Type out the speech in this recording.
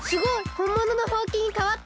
ほんもののほうきにかわった！